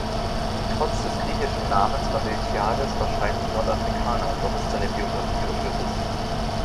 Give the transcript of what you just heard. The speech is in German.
Trotz des griechischen Namens war Miltiades wahrscheinlich Nordafrikaner, doch ist seine Biographie ungewiss.